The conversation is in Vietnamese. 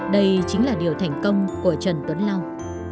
đây chính là điều thành công của trần tuấn lao